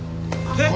えっ！